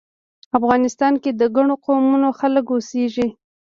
افغانستان کې د ګڼو قومونو خلک اوسیږی